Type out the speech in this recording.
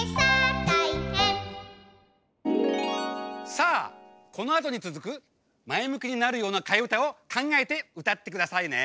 さあこのあとにつづくまえむきになるようなかえうたをかんがえてうたってくださいね。